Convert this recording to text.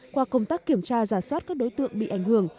qua công tác kiểm tra giả soát các đối tượng bị ảnh hưởng